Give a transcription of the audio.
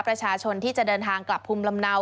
ประชาชนที่จะเดินทางกลับภูมิลำเนา